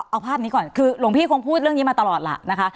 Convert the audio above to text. เอาภาพนี้ก่อนคือหลวงพี่คงพูดเรื่องนี้มาตลอดล่ะนะคะ